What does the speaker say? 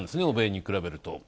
欧米に比べると。